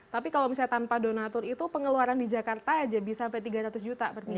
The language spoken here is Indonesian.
tapi kalau misalnya tanpa donatur itu pengeluaran di jakarta aja bisa sampai tiga ratus juta per minggu